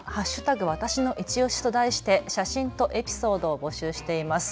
わたしのいちオシと題して写真とエピソードを募集しています。